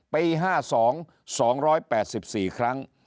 ปี๕๒๒๘๔ครั้ง